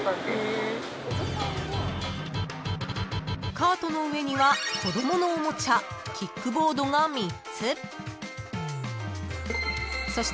［カートの上には子供のおもちゃキックボードが３つ］